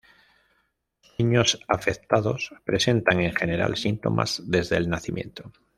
Los niños afectados presentan en general síntomas desde el nacimiento.